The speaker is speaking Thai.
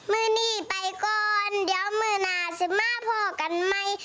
มือหนีไปก่อนเดี๋ยวมือหน้าสิมาพ่อกันไหม